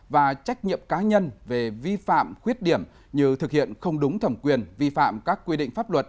và trách nhiệm cá nhân về vi phạm khuyết điểm như thực hiện không đúng thẩm quyền vi phạm các quy định pháp luật